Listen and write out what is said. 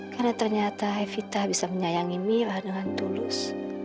karena ternyata evita bisa menyayangi mira dengan tulus